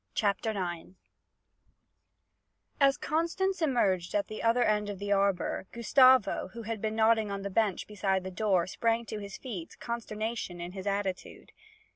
CHAPTER IX As Constance emerged at the other end of the arbour, Gustavo, who had been nodding on the bench beside the door, sprang to his feet, consternation in his attitude.